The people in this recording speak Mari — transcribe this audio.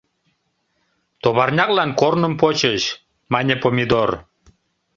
— Товарняклан корным почыч... — мане Помидор.